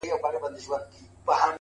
نیکه وینا ښه یاد پرېږدي’